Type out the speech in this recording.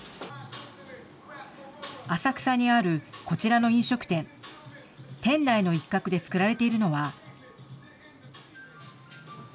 浅草にあるこちらの飲食店、店内の一角で造られているのは。